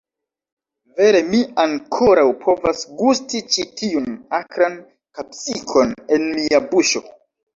Vere mi ankoraŭ povas gusti ĉi tiun... akran kapsikon en mia buŝo.